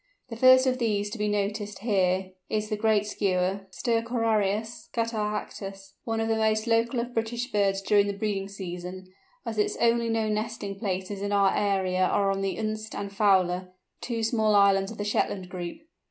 The first of these to be noticed here is the Great Skua, Stercorarius catarrhactes, one of the most local of British birds during the breeding season, as its only known nesting places in our area are on Unst and Foula, two small islands of the Shetland Group.